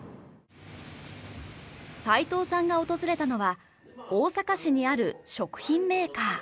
齊藤さんが訪れたのは大阪市にある食品メーカー。